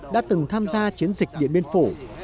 đã từng tham gia chiến dịch điện biên phủ